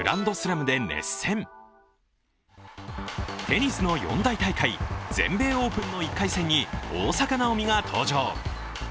テニスの四大大会全米オープンの１回戦に大坂なおみが登場。